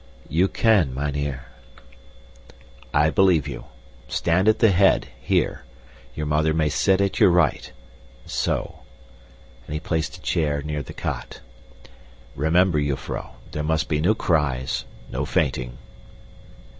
"You can, mynheer." "I believe you. Stand at the head, here your mother may sit at your right so." And he placed a chair near the cot. "Remember, jufvrouw, there must be no cries, no fainting."